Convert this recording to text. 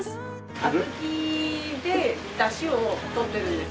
小豆でだしを取ってるんです。